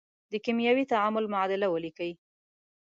د کیمیاوي تعامل معادله ولیکئ.